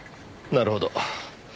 なるほど。